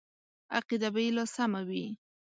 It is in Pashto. عقیده به یې لا سمه وي.